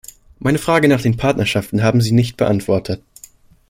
Meine Frage nach den Partnerschaften haben Sie nicht beantwortet.